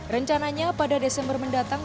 rencananya pada desember mendatang